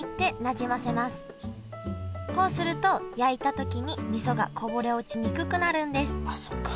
こうすると焼いた時にみそがこぼれ落ちにくくなるんですあっそっか。